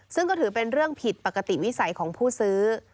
ซึ่งก็ถือเป็นเรื่องผิดปกติวิสัยของผู้ซื้อ